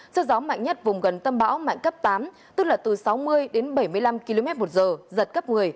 sức gió mạnh nhất vùng gần tâm bão mạnh cấp tám tức là từ sáu mươi đến bảy mươi năm km một giờ giật cấp một mươi